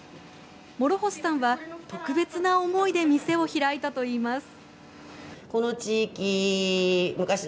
諸星さんは、特別な思いで店を開いたといいます。